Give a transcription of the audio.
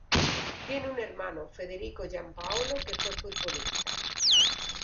Tiene un hermano, Federico Giampaolo, que fue futbolista.